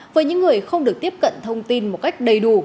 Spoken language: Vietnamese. với những người không được tiếp cận thông tin một cách đầy đủ